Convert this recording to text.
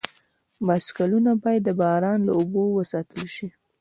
بایسکلونه باید د باران له اوبو وساتل شي.